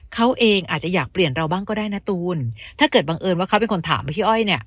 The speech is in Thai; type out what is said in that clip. เขาเองอาจจะอยากเปลี่ยนเราบ้างก็ได้นะตูนถ้าเกิดบังเอิญว่าเขาเป็นคนถามพี่อ้อยเนี่ย